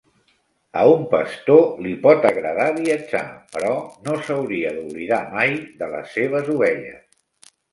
A un pastor li pot agradar viatjar, però no s'hauria d'oblidar mai de les seves ovelles.